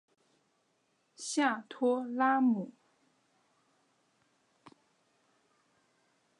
下托拉姆。